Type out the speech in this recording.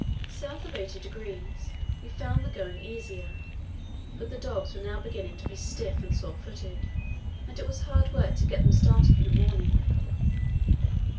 South of 80° we found the going easier, but the dogs were now beginning to be stiff and sore footed, and it was hard work to get them started in the morning.